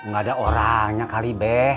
gak ada orangnya kali be